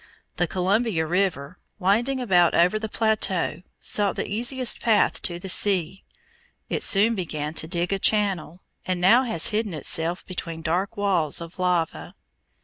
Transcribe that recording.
The Columbia River, winding about over the plateau, sought the easiest path to the sea. It soon began to dig a channel, and now has hidden itself between dark walls of lava.